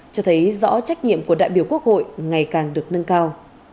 cho thấy rõ trách nhiệm của đại biểu quốc hội ngày càng được nâng cao